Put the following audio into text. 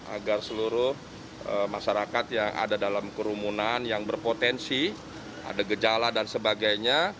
agar seluruh masyarakat yang ada dalam kerumunan yang berpotensi ada gejala dan sebagainya